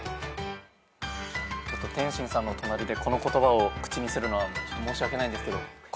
ちょっと天心さんの隣でこの言葉を口にするのはちょっと申し訳ないんですけど答えます。